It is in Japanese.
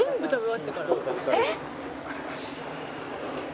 ありがとうございます。